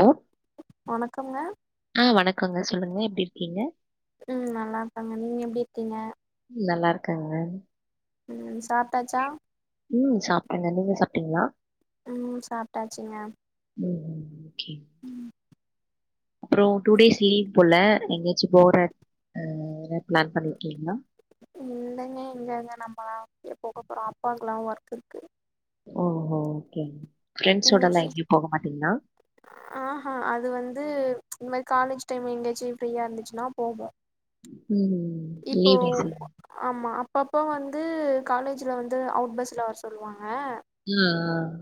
ஆ வணக்கம்ங்க ஆ வணக்கோங்க சொல்லுங்க எப்டி இருக்கீங்க உம் நல்லா இருக்கேங்க நீங்க எப்டி இருக்கீங்க நல்லா இருக்கேங்க உம் சாப்டாச்சா ம் சாப்டேங்க நீங்க சாப்ட்டீங்ளா ம் சாப்ட்டாச்சுங்க ஓகே ம் அப்புற டூ டேஸ் லீவ் போல எங்கேயாச்சும் போற ப்ளான் பண்ணிர்கீங்களா இல்லங்க இங்கங்க நம்மல்லா போகப்போறோ அப்பாக்கெல்லா ஒர்க் இருக்கு ஓஹோ ஓகே ப்ரெண்ட்ஸோட எல்லா எங்கேயு போக மாட்டீங்களா ஆஹூஅது வந்து இந்த மாரி காலேஜ் டைம் எங்கயாச்சு ஃப்ரீயா இருந்துச்சுன்னா போகவோ உம் இப்போ ஆமா அப்பப்போ வந்து காலேஜ்ல வந்து அவுட் பஸ்ல வர சொல்லுவாங்க அ அ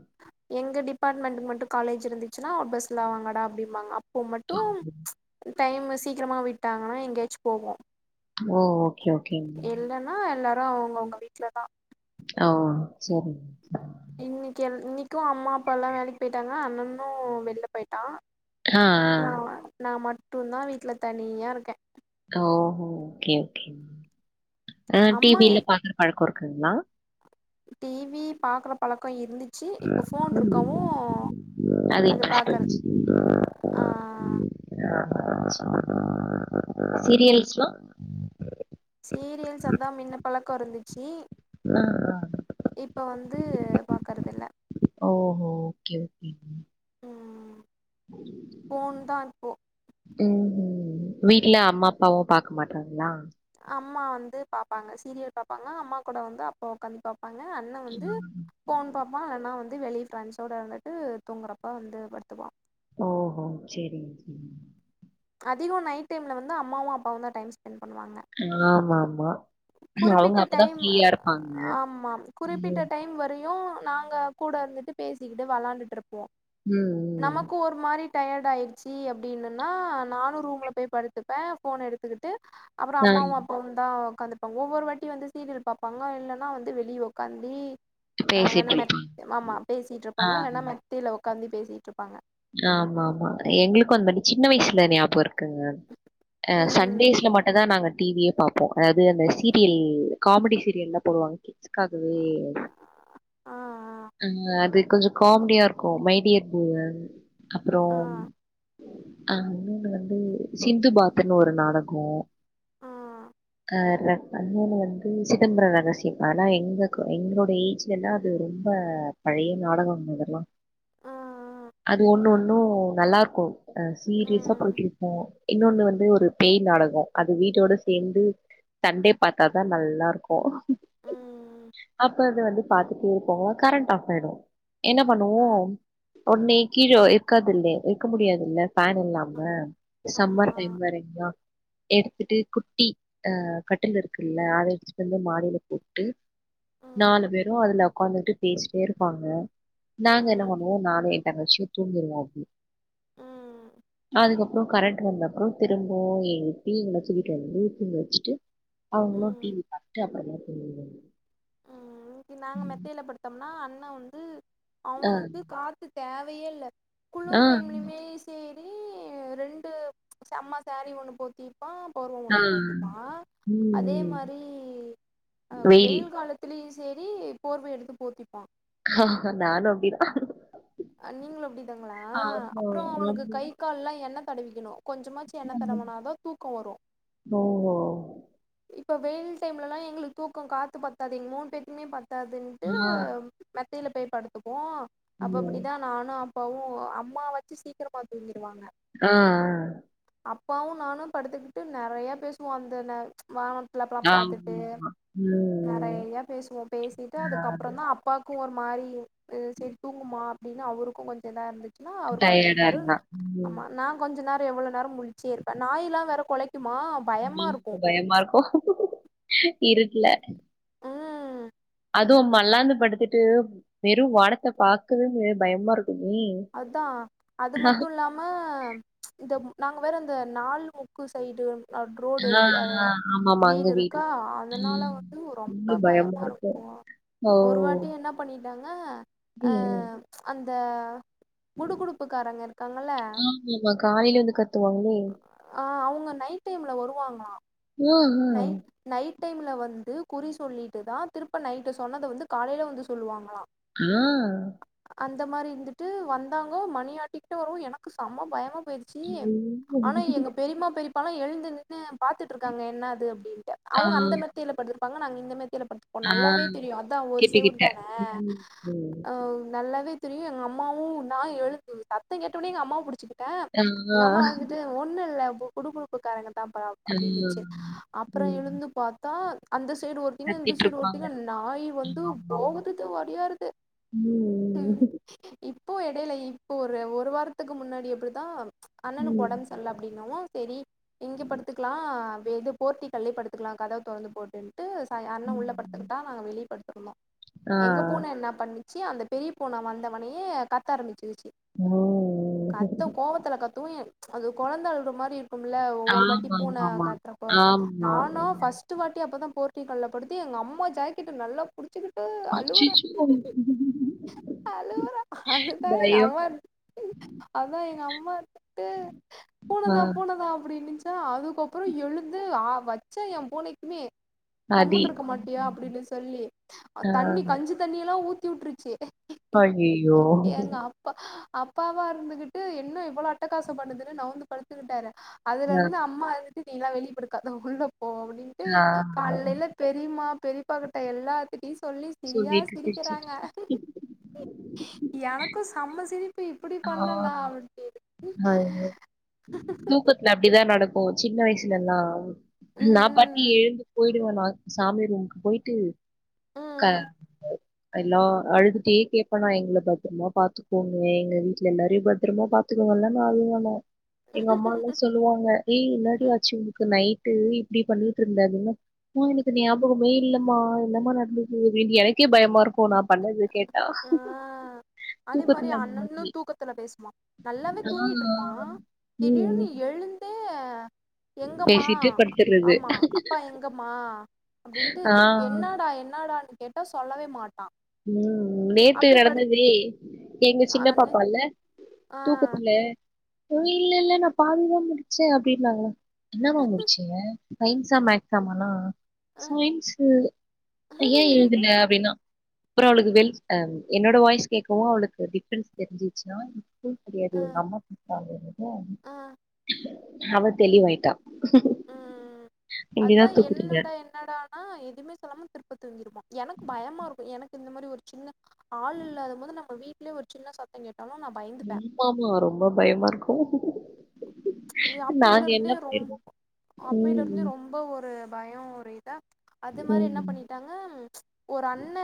எங்க டிபார்ட்மெண்ட் மட்டும் காலேஜ் இருந்துச்சுன்னா ஒவுட் பஸ்ல வாங்கடா அப்படிம்பாங்க அப்போ மட் டைம்மு சீக்கிரமா விட்டாங்கன்னா எங்கேயாச்சும் போவோம் ஓ ஓகே ஓகே ஆ எல்லாரு அவங்கவுங்க வீட்லா தா ஓ செரி இன்னைக்கி இன்னைக்கும் அம்மா அப்பல்லா வேலைக்கு போய்ட்டாங்க அண்ணன்னு வெள்ல போய்ட்டா ஆ ஆ. நாம நாமட்டுந்தா வீட்ல தனியா இருக்கே ஓஹோ ஓகே ஓகேங் அ டி அம்மா வில பாக்குற பழக்கொ இருக்குங்ளா டி வி பாக்குற பழக்க இருந்துச்சு இப்ப போன் இருக்கவு [inaudible] அது பாக்கறது ஆ [inaudible] சீரியல்ஸ்லா சீரியல்ஸ் அதா மின்ன பழக்கொ இருந்துச்சு ஆ ஆ இப்ப வந்து பாக்கறதில்ல ஓஹோ ஓகே ஓகே ம் ஃபோன் தா இப்போ வீட்ல அம்மா அப்பாவு பாக்க மாட்றாங்ளா அம்மா வந்து பாப்பாங்க சீரியல் பாப்பாங்க அம்மா கூட வந்து அப்பா ஒக்காந்து பாப் பாங்க அண்ண வந்து ம். போன் பாப் அப்பப்பா இல்லைனா வந்து பா பா இல்லனா வந்து வெளிய ஃப்ரெண்ட்ஸோடு இருந்துட்டு தூங்கறப்ப வந்து படுத்துக்வா ஓஹோ செரி அதிகோ நைட் டைம்ல வந்து அம்மாவு அப்பாவு தா டைம் ஸ்பெண்ட் பண்ணுவாங்க ஆமா ஆமா குறிப்பிட்ட டைம் ஆமா ம். குறிப்பிட்ட டைம் வரையு நாங்க கூட இருந்துட்டு பேசிக்கிட்டு வெளாண்டுட்டு இருப்போ ம் ம். நமக்கு ஒரு மாரி டயர்ட் ஆயிடுச்சி அப்டின்னுன்னா நானு ரூம்ல போயி படுத்துப்பே போன எடுத்துகிட்டு அப்பறொ ஆ அம்மாவு அப்பாவுந் தா ஒக்காந்து ஒவ்வொரு வாட்டி வந்து சீரியல் பாப்பாங்க இல்லன்னா வந்து வெளிய உக்காந்தீ இல்லனா பேசிட்டு மெத் இருப்பாங்க. ஆமா பேசிட்டு ஆ, இருப்பாங்க இல்லன்னா மெத்தைல ஒக்காந்து பேசிட்டு இருப்பாங்க ஆமா ஆமா எங்களுக்கு அந்த சின்ன வய்சில ஞாபக இரு க்குங்க அ ம் சண்டேஸ்ல மட்டுந்தா நாங்க டி வியே பாப்போ அதாது அந்த சீரியல் காமெடி சீரியல்லா போடுவாங்க கிட்ஸ்காகவே ஆ அ அது கொஞ்சோ காமெடியா இருக்கு மைடியர் பூதம் அப்பறோ ஆ அ இன்னொனு வந்து சிந்து பாத்துன்னு ஒரு நாடகோ ஆ வேற இன்னொனு வந்து சிதம்பர ரகசியோ அதலா எங்க்க எங்களோட ஏஜ்லலா அது ரொம்ப பழைய நாடகோங்க இதெல்லா ஆ அது ஒன்னு ஒன்னு நல்லா ருக்கு அ ஆ சீரியஸா ம் போயிட்டு இருக்கு இன்னொனு வந்து ஒரு பேய் நாடகோ அது வீட்டோட சேந்து சன்டே பாத்தாதா நல்லா இருக்கு ம் அப்ப அத வந்து பாத்துட்டே இருப்போமா கரண்ட்டு ஆஃப் ஆயிடு என்ன பண்ணுவோ ஆ ஒட்னே கீழே இருக்காது இல்லே இருக்க முடியாது இல்ல ஃபேன் அ இல்லாம ஆமா சம்மர் டைம் வேறங்ளா எடுத்துட்டு குட்டி அ கட்டில் இருக்குல்ல அத எடுத்துட்டு வந்து மாடில போட்டு ம் நாலு பேரு அதுல ஒக்காந்துகிட்டு பேசிட்டே இருப்பாங்க நாங்க என்ன ம் பண்ணுவோ நானு எ தங்கடச்சியூ தூங்கிருவோ அப்டியே ம் அதுக்கப்பறோ கரண்ட்டு வந்த அப்றோ திரும்பவு எழுப்பி என்ன வச்சு வீட்ல வந்து தூங்க வச்சுட்டு அவுங்களு டி ம் வி பாத்துட்டு அப்றமே ம் இன்னிக்கி நாங்க மெத்தேல படுத்தோமுனா அண்ணே வந்து ஆ அவனுக்கு காத்து தேவயே இல்ல ஆ குளுர் டைம்லயுமே ஏ சி சேரி ரெண்டு அம்மா சேரீ ஒன்னு பொத் தீப்பா போர்வ ஆ ஒன்னு போத்திப்பா அதே ம் ம் மாரி அ வெயில் காலத்திலயு செரி போர்வ எடுத்து போத்திப்பா ஹா ஹா நானு அப்படிதா அ நீங்களு அப்டித்தாங்களா அப்றோ அவனுக்கு கை கால் ல்லா எண்ண தடவிக்கணு கொஞ்சமாச்சு எண்ணெ தடவுனாதா தூக்கோ வரு ஒ ஒ இப்ப வெயில் டைம்ல ல்லா எங்களுக்கு தூக்கோ காத்து பத்தாது எங்க மூன் பேத்க்குமே பத்தாதுன்ட்டு ஆ. மெத்தைல போய் படுத்துப்போ அப்ப ம். அப்டித்தா நானு அப்பாவு அம்மா வாச்சு சீக்கிரமா தூங்கிருவாங்க ஆ ஆ அப்பாவு நானு படுத்துக்கிட்டு நெறைய பேசுவோ அந்த நே வானத்துல அப்பலா பாத்துட்டு ஆமா. ம். நெறையா பேசுவோ பேசிட்டு ஆ அதுக்கப்பறோ தா அப்பாக் கு ஒரு மாரி இரு க்கு செரி தூங்குமா அப்டின்னு அவருக்கு கொஞ்சோ இதா இருந்து ன்னா அவரு படுத்து டயர்டா பாரு இருந்தா. ம். ஆமா நா கொஞ்ச நேரோ எவ்ளோ நேரோ முழிச்சே இருப்பே நாய்ல வேற கொலைக்கு மா ம் பேய் பயமாருக்கு இருட்ல ம் அதுவு‌‌ மல்லாந்து படுத்துட்டு வெறு வானத்த பாக்கவே முடியாது பயமா இருக்கோ நீ அதா அது மட்டு இல்லாம் ம இந்த ம் நாங்க வேற இந்த நாலு முக்கு சைடு அடு ரோடு ஆ, விய ஆ. ஆமாமா, அங்க வீடு இருக்கா அதனால ம். வந்து ரொம்ப பயமா ருக்கு ஓ! ஒரு வாட்டி என்ன பண்ணிடாங்க அ ம். அந்த குடு குடுப்புக்காரங்க இருகாங்கள ஆமா காலேல வந்து கத்துவாங்க ஆ அவுங்க நைட் டைம்ல வருவாங்களா ஆ ஆ நைட் நைட் டைம்ல வந்து குறி சொல்லிட்டு தா திருப்ப நைட்டு சொன்னத வந்து காலேல வந்து சொல்லுவாங்களா ஆ அந்த மாரி இர்ந்துட்டு வந்தாங்கோ மணி ஆட்டிக்ட்டு வரு எனக்கு செம பயமா போயிர்ச் சீ ஆ. ஆனா ம். எங்க பெரிமா பெரிப் பால எழுந்து நின்னு பாத்துட்ருக்காங்க என்ன அது அப்டின்டு ஆ, அவுங்க அந்த மெத்தைல படுத்திற்பாங்க நாங்க இந்த மெத்தைல படுத் ஒ ஆ. நல்லாவே தெரியு அதா அங் ஒரு கிட்டகிட்ட. சேவுர்தான ம். ம். நல்லாவே தெரியு எங்க அம்மாவு நா எழுந் சத்த கேட்ட உன்னே எங்க அம்மாவ புடிச்சி ட ஆ, ஆ. எங்கம்மா வந்துட்டு ஒன்னு இல்ல குடுகுடுப்புக்காரங்க தா அப்டின்னுச்சு அப்புற ம். எழுந்து பாத்தா அந்த சைடு ஒரு இன்ன இந்த சைய்டு கத்திட்ருப்பாங்க. ஒட்டிங்க நாய் வந்து ஆமாமா. போகுதுது ஒடியாருது ம் இப்போ இடையில இப்போ ஒரு ஒரு வாரத்துக்கு முன்னாடி இப்டிதா அண்ணனுக்கு ம். உடம்பு செர்ல அப்டிங்கவு செரி இங்க படுத்துக்கிலா வெது போர்டிகல்லே படுத்துக்கிலா கதவ தொறந்து போட்டுன்ட்டு ச அண்ண உள்ள ம். படுத்துக்கிட்டா நாங்க வெளிய பட்த்துருந்தோ ஆ. எங்க பூன இன்ன பண்ணிச்சி அந்த பெரிய பூன வந்தவொன்னே கத்த ஆரம்பிச்சிருச்சு ஓ! கத்து கோவத்துல கத்து எ அது குழந்த அழுவுற மாரி இருக் கும்முல ஒவ்வொரு வாட்டி பூன ஆமாமாமா. ஆமா. கத்தப்போ ஆமா. நானோ ஆமா. பஸ்டு வாட்டி அப்பதா போர்ட்டிகல்ல படுத்து எங்க அம்மா ஜாக்கெட்ட நல்லா புடி புச்சிக்கிட்டு அழுவுர அச்சச்சோ! அழுவுர அதுதா பயம். எங்கம்மா இர் அதா எங்க அம்மா ட்டு ஆ. பூனதா பூனதா அப்டின்னுச்சி த அதுக்கப்புற எழுந்து அ வச்ச எ பூனைக்குமே அடி. கம்முன் இருக்க மாட்டியா ம். அப்டின்டு சொல்லி ஆ. தண்ணி கஞ்சி தண்ணி எல்லா ஊத்தி வுட்ருச்சி ஐய்யய்யோ ப அப்பாவா இருந்துகிட்டு என்ன இவ்வளோ அட்டகாச பண்ணுதுன்னு நாவுந்து படுத்துக்கிட்டாரு அதுலர்ந்து அம்மா இருந்துட்டு நீ லா வெளிப்படுக்காத உள்ள போ அப்டின்ட்டு ஆ. கால்லேல பெரிம்மா பெரிப்பா கிட்ட எல்லாத்திட்டியு சொல்லி சிரியா சொல்லிட்டு சிரிக்கறாங்க சிரிச்சுட்டு. எனக்கு செம்ம சிரிப்பு இப்டி பண்ணனா அப்டி அ தூக்கத்துல அப்டிதா நடக்கு ஒ சின்ன வயசுலனா நா பாட் நீ ம் எழுந்து போயிடுவ நா சாமி ரூமுக்கு போயிட்டு க ம் எல்லா அழுதுட்டே கேப்பனா எங்கள பத்திரமா பாத்துக்கோங்க எங்க வீட்ல எல்லாரையு பத்திரமா பா துகோ வல்லாம அழுவனா எங்க அம்மாலா சொ ம் சொல்லுவாங்க ஏய் இன்னாடி ஆச்சு உன்க்கு நைட்டு இப்டி பண்ணிட்ருந்த அதுன போ எனக்கு அது ஞாபகமே இல்லம்மா இன்னமா நட்ந்துது எனக்கே பயமா இருக் அப்போ நா பண்ணது கேட்டா ஆ தூக்கத்துல இன்னக்கி த்துல பேசுமா நல்லாவே தூங்கிட்ருப்பா திடீர்னு ம் எழுந்தே எங்க மா பேசிட்டு படுத்துறது ஆமா அப்பா எங்கம்மா அப்டின்ட்டு ஆ ஆ என்னடா என்னடான் கேட்டா சொல்லவே மாட்டா ம் நேத்து அப்டியே படுத் நடந்ததே எங்க சின்ன ஆனு பாப்பால்ல ஆ தூக்கத்துல தொழில்லல நா பாதிதா முடிச்சே அப்டின்னாங்கோ என்னமா முடிச்சிங்க சயின்ஸா மேக்ஸாமானா அ சயின்ஸு றைய எழ்துல அப்டின்னா அப்புற அவளுக்கு வெல் அ என்னோட வாய்ஸ் கேக்கவு அவளுக்கு டிஃப்ரன்ஸ் தெரிஞ்சிச்சுனா எனக்கு தெரியாது அ எங்க அம்மா பாத்தாங்கள அ அவ தெளிவாயிட்டா இங்கதா தூக்கிட்டிங்க இன்னடானா எதுமே சொல்லா திருப்ப தூங்கிருவா எனக்கு பயமா இருக்கு எனக்கு இந்த மாரி ஒரு சின்ன ஆள் இல்லாதம் போது நம்ப வீட்லே ஒரு சின்ன சத்த கேட்டாலு நம் ஆமா ரொம்ப பயமா இருக்கு நீங்க அப்பையில நாங்க என்ன இருந்தே ரொம் பண்ணிருக்கோ அப்பையில இருந்தே ம் ரொம்ப ஒரு பய ஒரு இதா அது மாரி ம் என்ன ம் பண்ணிட்டாங்க ஒரு அண்ண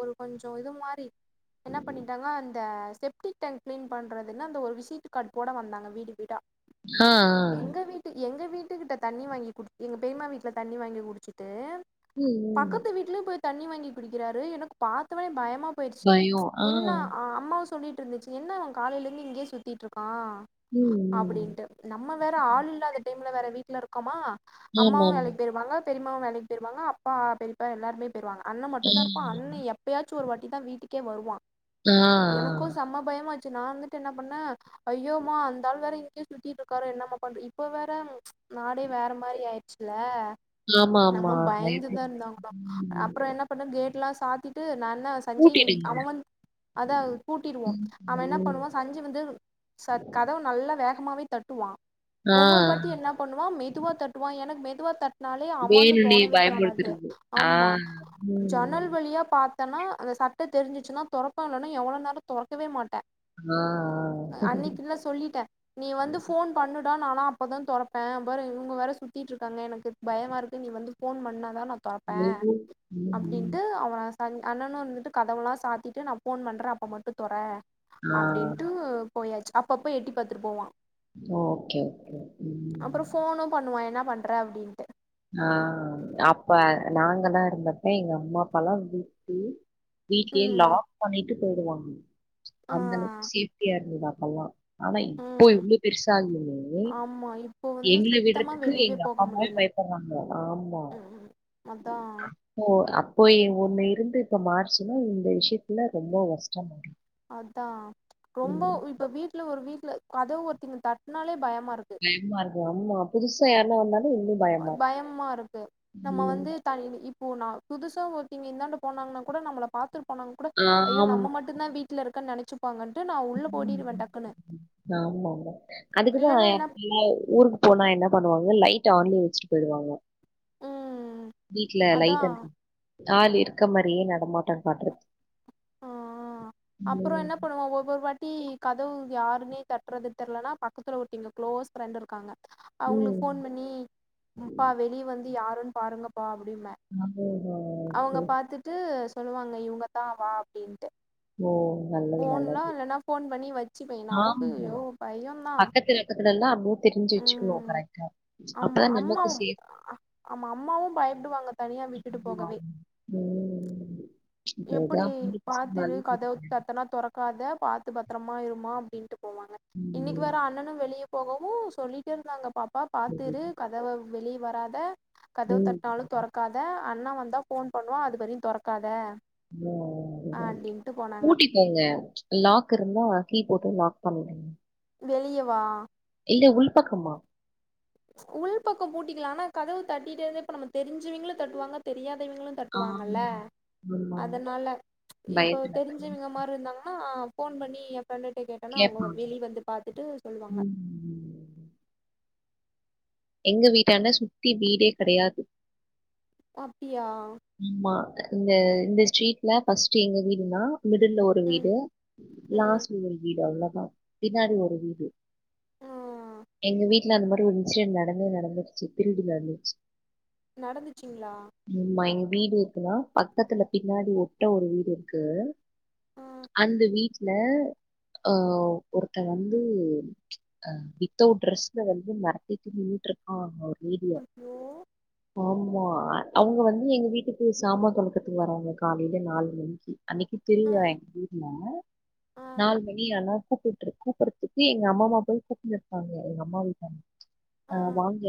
ஒரு கொஞ்ச இது மாரி என்ன பண்ணிட்டாங்க அந்த செப்டிக் டேங் கிளீன் பண்றதுன்னு அந்த ஒரு விசிட்டு கார்டு போட வந்தாங்க வீடு வீடா ஆ எங்க வீட்டு எங்க வீட்டுக்கிட்ட தண்ணி வாங்கி குடுத் எங்க பெரிம்மா வீட்டுல தண்ணி வாங்கி குடிச்சிட்டு ம் ம் பக்கத்து வீட்லயு போய் தண்ணி வாங்கி குடிக்கிறாரு எனக்கு பாத்தவே பயமா போயிருச்சு பயோ ஆ ஆ என்ன அம்மாவு சொல்லிட்டு இருந்துச்சு என்ன அவ காலையில இருந்து இங்கேயே சுத்திட்டுருக்கா ம், ம். அப்டின்ட்டு நம்ம வேற ஆள் இல்லாத டைம்ல வேற வீட்டுல இருக்கோமா அம்மாவு ஆமாம். வேலைக்கு போயிருவாங்க பெரிமாவு வேலைக்கு போயிறுவாங்க அப்பா பெரியப்பா எல்லாருமே பேயிறுவங்க அண்ண மட்டு ஆ. தா இருப்பா அண்ண எப்ப பயாச்சு ஒரு வாட்டி தா வீட்டுக்கே வருவா ஆ, ஆ. எனக்கு ஸ் செம்ம பயமா ஆச்சு நா வந்துட்டு என்ன பண்ணே ஐயோ மா அந்த ஆளு வேற இங்கே சுத்திட்டு இருக்காரே என்னமா பண்ற இப்ப வேற நாடே வேற மாரி ஆயிடுச்சுல ஆமாமா. நம்ம பயப்பட பயந்துதா இருந்தாங்களா அப்புற ம். என்ன பண்ண கேட்ல்லா சாத்திட்டு நா என்ன சஞ்சய் நீதி பூட்டிடுங்க. அவ வந் அதா கூட்டிடுவோ ம், அவ என்ன ம். பண்ணுவோ சஞ்சு வந்து ச கதவ நல்ல வேகமாவே தட்டுவா ஆ. ஒவ்வொருவாத்தியு என்ன பண்ணுவா மெதுவா தட்டுவா எனக்கு மெதுவா தட் னாலே அவனு வேணுன்னே தோணவே தோணாது பயமுறுத்துறது. ஆ. ஆம்மா ம். ஜன்னல் வழியா பா தன்னா அந்த சட்ட தெரிஞ்சிச்சுன்னா தொறப்ப இல்லன்னா எவ்ளோ நேர தொறக்கவே மாட்டே ஆ, ஆ. அன்னைக்கு நா சொல்லிட்டே நீ வந்து ஃபோன் பண்ணுடா நானா அப்போதா தொறப்பே அப்புற இவுங்க வேற சுத்திட்டு இருக்காங்க எனக்கு பயமா இருக்கு நீ வந்து ஃபோன் பண்ணா தா நா தொறப்பே ம். ம். அப்டின்ட்டு அவ அண் அண்ணனு வந்துட்டு கதவுலா சாத்திட்டு நா ஃபோன் பண்றே அப்போ மட்டு தொற ஆ. அப்டின்ட்டு போயாச்சு அப்பப்போ எட்டி பாத்துட்டு போவா ஓகே ஓகே ம் அப்றோ ஃபோனு பண்ணுவா என்ன பண்ற அப்டின்ட்டு ஆ அப்ப நாங்கதா இருந்தப்ப எங்க அம்மா அப்பால்லா வீட்லே வீட்லயே ம் லாக் பண்ணிட்டு போயிடுவாங்க அந்த ஆ அளவுக்கு சேஃப்டியா இருந்தது அப்பல்லா ஆனா இப்போ ம் இவ்ளோ பெருசாயுமே ஆமா இப்போ வந்து எங்கள சுத்தமா விட்றதுக்கு வெளியவே எங்க போக அப்பா அம்மாவே முடியல பய ப்புறாங்க ஆமா ம் ம் அதா ஓ அப்போ ஒன்னு இருந்து இப்ப மாறுச்சுன்னா இந்த விஷயத்துல ரொம்போ கஷ்ட ஆய்டு அதா ரொம்ப இப்ப வீட்ல ஒரு வீட்ல கதவ ஒருத்தங்க தட்னாலே பயமா இருக்கு பயமா இருக்கு ஆமா புதுசா யாருனா வந்தாலு இன்னு பயமா இருக் இருக்கு நம்ம [unintelligible] இப்போ நா புதுசா ஒருத்தங்க இந்தாண்ட போனாங்கனா கூட நம்மள பாத்துட்டு போனாங்க கூட ஆமா ஐயோ நம்ம மட்டு டுந்தா வீட்ல இருக்க நெனைச்சு ப்பாங்கன்ட்டு நா உள்ள ஓடிருவே ம் டக்குன்னு ஆமா ஆமா அதுக்குதா இல்லன்னா என்ன இல்ல ஊருக் போனா என்ன பண்ணுவாங்க லைட்ட ஆன்லயே வச்சுட்டு போயிடுவாங்க ம் வீட்ல அதா லைட் [unintelligible] ஆள் இருக்க மாறியே நடமாட்ட காட்றது ஆ அப்பற என்ன பண்ணுவோ ஒவ்வொரு வாட்டி கதவு யாருன்னே தட்டுறதுன்னு தெரிலனா பக்கத்துல ஒருத்தெங்க குளோஸ் ஃப்ரெண்ட் இருக்காங்க அவுங்களுக்கு ம் ஃபோன் பண்ணி அப்பா வெளியே வந்து யாருன்னு பாருங்கப்பா அப்டிம்பே ஆமா, ஆமா, அவுங்க பாத்துட்டு சொல்லுவாங்க இவுங்கதா வா அப்டின்ட்டு ஓ நல்லது ஃபோன்லா நல்லது இல்லன்னா ஃபோன் பண்ணி வச்சுப்பே நமக்கு ஆமா ஐயோ பயோந்தா பக்கத்துல தெல்லா அம்மு தெரிஞ்சு வச்சுக்கணு ம் கரெக்டா ஆமா அப்பதா நமக்கு அம்மாவு சேஃப் ஆமா அம்மாவும் பயப்படுவாங்க தனியா விட்டுட்டு போகவே பண்ணுவாங்க. ம் இப்ப எப்புடி இதான் பொம்பள பசங்கனாலே பாத்துருக் கதவ தட்டுனா தொறக்காத பாத்து பத்ரமா இரும்மா அப்டின்ட்டு போவாங்க இன்னைக்கு ம். வேற அண்ணனு வெளிய போகவு சொல்லிட்டே இருந்தாங்க பாப்பா பாத்து இரு கதவ வெளியே வராத கதவு ம். தட்னாலு தொறக் காத அண்ணா வந்தா ஃபோன் பண்ணுவா அது வரையு தொறக்காத ஓ அப்டின்ட்டு போனாங்க பூட்டிட் போங்க லாக் இருந்தா கீ போட்டு லாக் பண்ணிருங்க வெளியவா இல்ல உள் பக்கமா உள்பக்கம் பூட்டிக்கலா ஆனா கதவு தட்டிட்டே இருந்தா இப்ப நம்ம தெரிஞ்சவிங்களு தட்டுவாங்க தெரியாதவிங்களு தட்டுவாங்கல்ல ஆமா. ஆமா. அதனால இப்ப பயத்துல. தெரிஞ்சவங்க மார் இருந்தாங்கன்னா ஃபோன் பண்ணி ஏ ஃபிரண்டுட்ட கேட்டனா அவுங்க கேட்பாங்க. வெளிய வந்து பாத்துட்டு சொல்லுவாங்க ம். எங்க வீட்டாண்ட சுத்தி வீடே கெடையாது அப்டியா ஆமா இந்த இந்த ஸ்ட்ரீட்ல ஃபஸ்டுடீ எங்க வீடுதா மிடில்ல ஒரு ஒரு ம் வீடு ம் லாஸ்ட்ல ஒரு வீடு அவ்ளதா பின்னாடி ஒரு வீடு ஆ எங்க வீட்ல அந்த மாரி ஒரு இன்சிடென் நடந்தே நடந்துருச்சு திருட்டு நடந்துருச்சு நடந்துச்சுங்களா ஆமா எங்க வீடு இருக்குன்னா பக்கத்துல பின்னாடி ஒட்ட ஒரு வீடு இருக்கு ஆ அந்த வீட்ல ஆ ஒருத்த வந்து ஆ வித்தவுட் ட்ரெஸ்ல வந்து மெரட்டிட்டு நின்னுட்டு இருக்கா அங்க ஒரு வீட்ல ஐயோ ஆமா அவுங்க வந்து எங்க வீட்டுக்கு சாமா தொலக்கத்துக்கு வராங்க காலையில நாலு மணிக்கி அன்னைக்கு ஆ திருவிழா எங்க ஊர்ல ஆ நாலு மணி எல்லார்க்கு கூப்ட்டு கூப்புற த்துக்கு எங்க அம்மாம்மா போய் கூப்டுனு இருக்காங்க எங்க அம்மா வீட்டா ஆ வாங்க